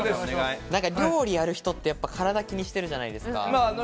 料理をやる人って、体気にしてるじゃないですか。